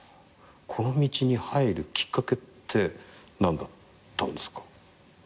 この道に入るきっかけって何だったんですか？